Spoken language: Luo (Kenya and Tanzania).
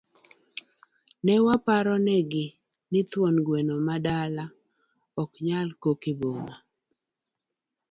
Ne waparo negi, ni thuon gweno ma dala, ok nyal kok e boma.